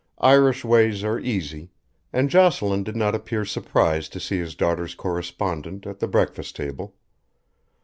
Irish ways are easy, and Jocelyn did not appear surprised to see his daughter's correspondent at the breakfast table.